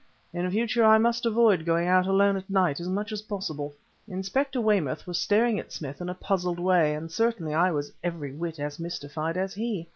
"In future I must avoid going out alone at night as much as possible." Inspector Weymouth was staring at Smith in a puzzled way; and certainly I was every whit as mystified as he.